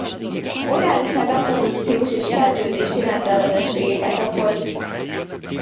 Orálisan reprodukciós és fejlődési rendellenességeket okoz.